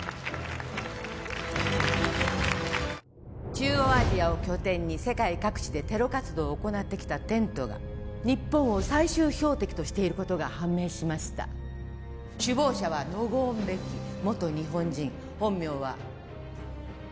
中央アジアを拠点に世界各地でテロ活動を行ってきたテントが日本を最終標的としていることが判明しました首謀者はノゴーン・ベキ元日本人本名は乃木卓